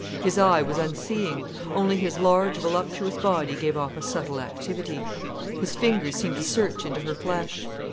His eye was unseeing. Only his large, voluptuous body gave off a subtle activity. His fingers seemed to search into her flesh.